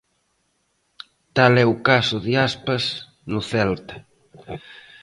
Tal é o caso de Aspas no Celta.